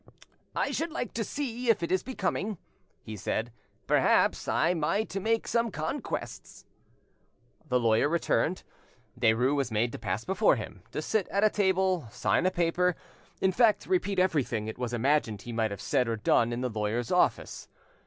"I should like to see if it is becoming," he said; "perhaps I might make some conquests." The lawyer returned: Derues was made to pass before him, to sit at a table, sign a paper, in fact to repeat everything it was imagined he might have said or done in the lawyer's office.